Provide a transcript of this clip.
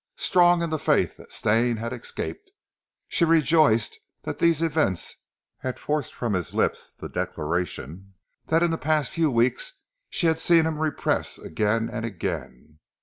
Strong in the faith that Stane had escaped, she rejoiced that these events had forced from his lips the declaration that in the past few weeks she had seen him repress again and again.